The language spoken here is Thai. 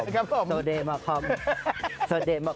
เวลาไปบาร์โฮสนะ